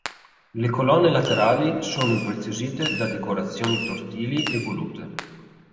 Le colonne laterali sono impreziosite da decorazioni tortili e volute.